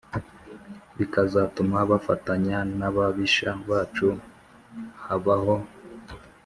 Bikazatuma bafatanya n ababisha bacu habaho